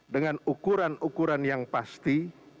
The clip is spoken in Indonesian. dengan ukuran ukuran yang pasti